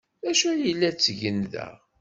D acu ay la ttgen da?